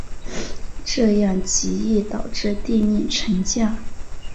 这样极易导致地面沉降。